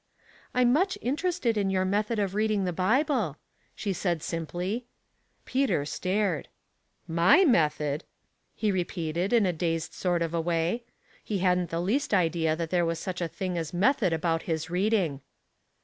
'' Pm much interested in your method of read ing the Bible," she said, simply. Peter stared. " 3Ii/ method !" he repeated, in a dazed sort of a way ; he hadn't the least idea that there was such a thing as method about his reading.